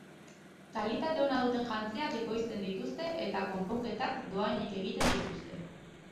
Kalitate ona duten jantziak ekoizten dituzte eta konponketak doahin egiten dituzte.